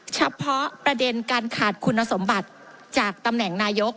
เฉพาะประเด็นการขาดคุณสมบัติจากตำแหน่งนายก